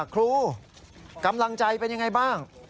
ครูกำลังใจเป็นยังไงบ้าง